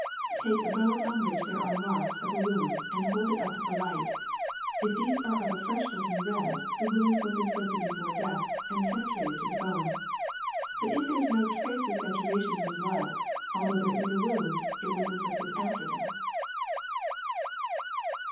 Take a bone on which there are marks of a wound and hold it up to the light ; if these are of a fresh looking red, the wound was inflicted before death and penetrated to the bone ; but if there is no trace of saturation from blood, although there is a wound, it was inflicted after death."